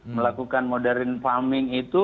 melakukan modern farming itu